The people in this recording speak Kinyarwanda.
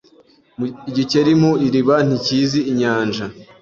Igikeri mu iriba ntikizi inyanja.